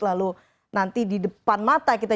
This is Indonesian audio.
lalu nanti di depan mata kita